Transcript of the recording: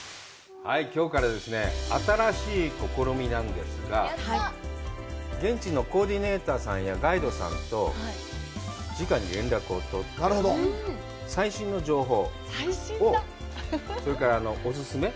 きょうからですね、新しい試みなんですが、現地のコーディネーターさんやガイドさんとじかに連絡を取って、最新の情報をそれからお勧め？